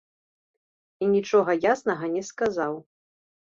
І нічога яснага не сказаў.